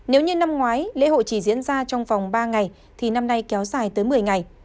nếu như năm ngoái lễ hội chỉ diễn ra trong vòng ba ngày thì năm nay kéo dài tới một mươi ngày